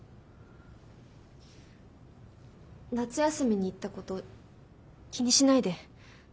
夏休みに言ったこと気にしないで。